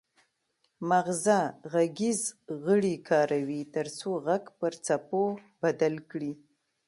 مغزه غږیز غړي کاروي ترڅو غږ پر څپو بدل کړي